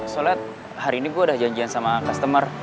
soalnya hari ini gue udah janjian sama customer